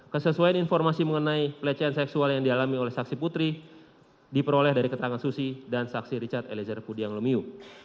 kesesuaian informasi mengenai pelecehan seksual yang dialami oleh saksi putri diperoleh dari keterangan susi dan saksi richard eliezer pudiang lumiu